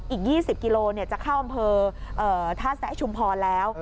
อีก๒๐กิโลจะเข้าอำเภอท่าแสะชุมพรแล้ว